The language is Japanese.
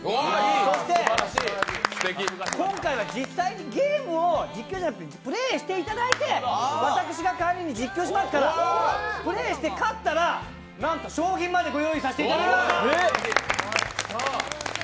そして今回は実際にゲームを、実況じゃなくて、プレーしていただいて、私が代わりに実況しますからプレーして勝ったらなんと商品までご用意させていただきます。